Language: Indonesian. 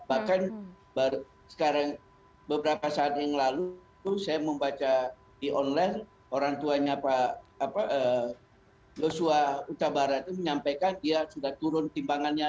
bahkan sekarang beberapa saat yang lalu saya membaca di online orang tuanya pak joshua utabarat itu menyampaikan dia sudah turun timbangannya